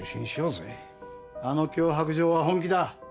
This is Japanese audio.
あの脅迫状は本気だ。